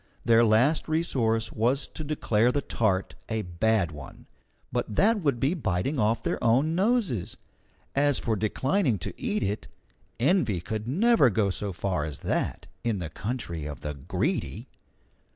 Their last resource was to declare the tart a bad one, but that would be biting off their own noses. As for declining to eat it, envy could never go so far as that in the country of the Greedy.